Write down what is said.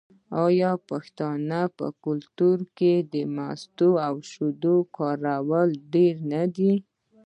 آیا د پښتنو په کلتور کې د مستو او شیدو کارول ډیر نه دي؟